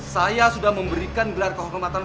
saya sudah memberikan gelar kehormatan